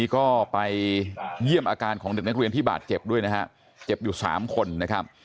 ก็ไปเยี่ยมอาการของเด็กนักเรียนที่บาดเจ็บด้วยนะฮะเจ็บอยู่๓คนนะครับ